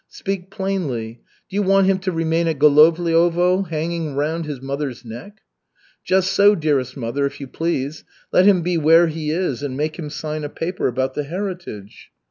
Speak plainly. Do you want him to remain at Golovliovo, hanging around his mother's neck?" "Just so, dearest mother, if you please. Let him be where he is and make him sign a paper about the heritage."